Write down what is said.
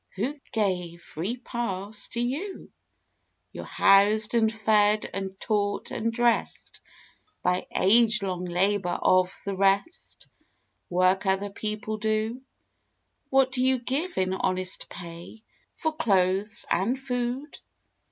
Who gave Free pass to you? You're housed and fed and taught and dressed By age long labor of the rest Work other people do! What do you give in honest pay For clothes and food?